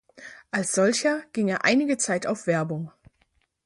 Als solcher ging er einige Zeit auf Werbung.